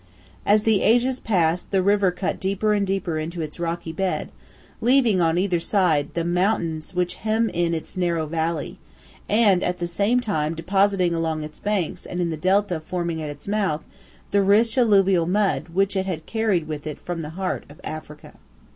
As the ages passed the river cut deeper and deeper into its rocky bed, leaving on either side the mountains which hem in its narrow valley, and at the same time depositing along its banks and in the delta forming at its mouth the rich alluvial mud which it had carried with it from the heart of Africa.